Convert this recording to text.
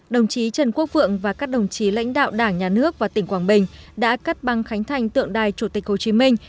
đồng chí trần quốc vượng và các đồng chí lãnh đạo đảng nhà nước và tỉnh quảng bình đã cắt băng khánh thành tượng đài chủ tịch hồ chí minh